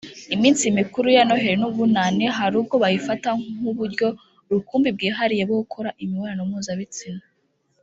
iminsi mikuru ya Noheri n’Ubunani hari ubwo bayifata nk’uburyo rukumbi bwihariye bwo gukora imibonano mpuzabitsina